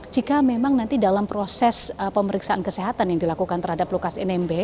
jika memang nanti dalam proses pemeriksaan kesehatan yang dilakukan terhadap lukas nmb